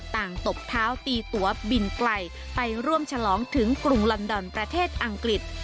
ตบเท้าตีตัวบินไกลไปร่วมฉลองถึงกรุงลอนดอนประเทศอังกฤษ